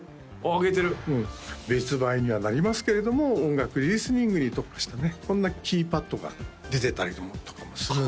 上げてる別売にはなりますけども音楽リスニングに特化したねこんなキーパッドが出てたりとかもするんですよ